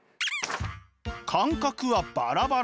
感覚はバラバラ。